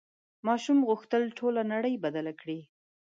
ماشوم غوښتل ټوله نړۍ بدله کړي.